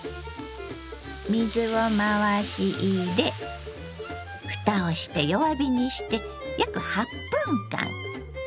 水を回し入れ蓋をして弱火にして約８分間。